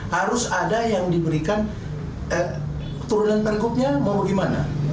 harus ada yang diberikan turunan pergubnya mau gimana